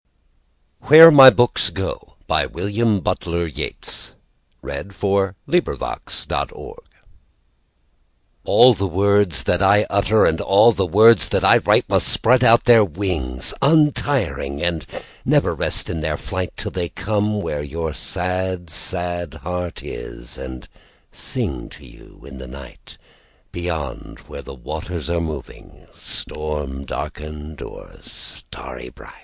glish Verse: 1250–1900. William Butler Yeats. b. 1865 862. Where My Books go ALL the words that I utter, And all the words that I write, Must spread out their wings untiring, And never rest in their flight, Till they come where your sad, sad heart is, 5 And sing to you in the night, Beyond where the waters are moving, Storm darken'd or starry brigh